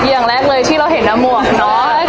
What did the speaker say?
อย่างแรกเลยที่เราเห็นนะหมวกเนอะ